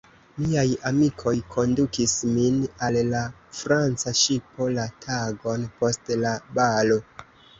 Miaj amikoj kondukis min al la Franca ŝipo, la tagon post la balo.